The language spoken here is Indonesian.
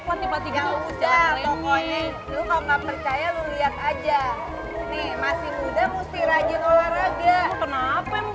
percaya lu lihat aja masih muda musti rajin